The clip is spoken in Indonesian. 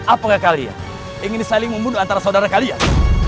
apakah kalian ingin saling membunuh antara saudara kalian